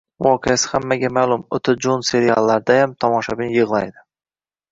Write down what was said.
— Voqeasi hammaga ma’lum, o‘ta jo‘n seriallardayam tomoshabin yig‘laydi.